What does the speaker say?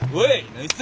ナイッス！